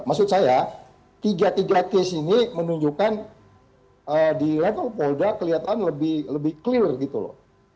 maksud saya tiga tiga case ini menunjukkan di level polda kelihatan lebih clear gitu loh